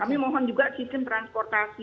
kami mohon juga sistem transportasi